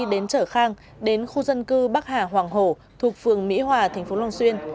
huy huỳnh lục xét người khang đến khu dân cư bắc hà hoàng hổ thuộc phường mỹ hòa thành phố long xuyên